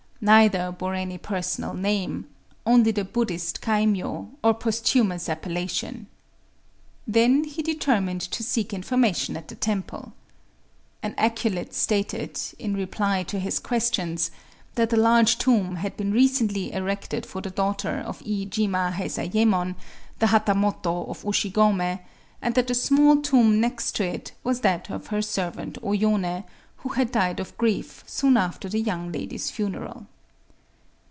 Neither bore any personal name,—only the Buddhist kaimyō, or posthumous appellation. Then he determined to seek information at the temple. An acolyte stated, in reply to his questions, that the large tomb had been recently erected for the daughter of Iijima Heizayémon, the hatamoto of Ushigomé; and that the small tomb next to it was that of her servant O Yoné, who had died of grief soon after the young lady's funeral.